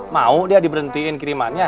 mau dia diberhentiin kirimannya